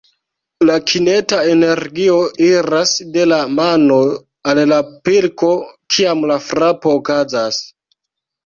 La kineta energio iras de la mano al la pilko, kiam la frapo okazas.